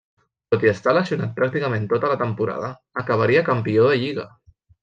Tot i estar lesionat pràcticament tota la temporada, acabaria campió de lliga.